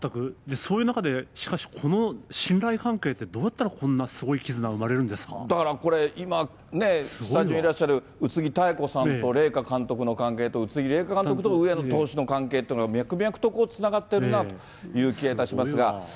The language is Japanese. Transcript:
そういう中で、しかしこの信頼関係ってどうやったらこんなすごい絆生まれるんでだからこれ、今ね、スタジオにいらっしゃる、宇津木妙子さんと麗華監督の関係と宇津木麗華監督と上野投手との関係って脈々とつながってるなという気がいたしますが。